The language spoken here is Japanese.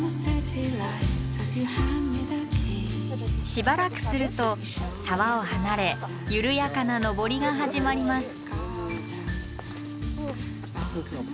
しばらくすると沢を離れ緩やかな登りが始まります。